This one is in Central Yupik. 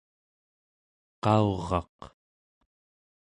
qauraq